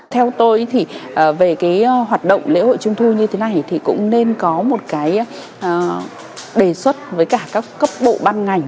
theo tôi thì về cái hoạt động lễ hội trung thu như thế này thì cũng nên có một cái đề xuất với cả các cấp bộ ban ngành